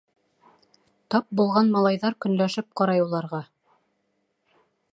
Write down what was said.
Тап булған малайҙар көнләшеп ҡарай уларға.